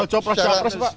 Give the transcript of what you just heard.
hampir gak ada